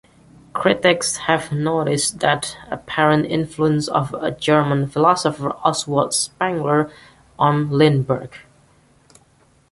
Critics have noticed an apparent influence of German philosopher Oswald Spengler on Lindbergh.